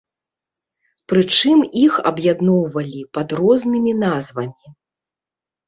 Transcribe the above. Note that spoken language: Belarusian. Прычым, іх аб'ядноўвалі пад рознымі назвамі.